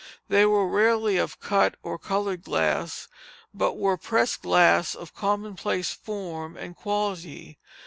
They were rarely of cut or colored glass, but were pressed glass of commonplace form and quality.